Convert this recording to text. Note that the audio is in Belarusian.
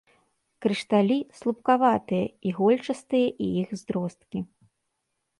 Крышталі слупкаватыя, ігольчастыя і іх зросткі.